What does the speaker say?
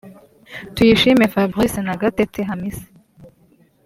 Tuyishime Fabrice na Gatete Hamisi